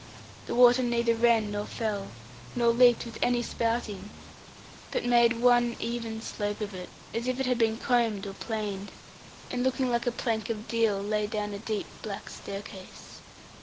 The water neither ran nor fell, nor leaped with any spouting, but made one even slope of it, as if it had been combed or planed, and looking like a plank of deal laid down a deep black staircase.